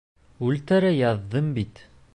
Үлтерә яҙҙың бит!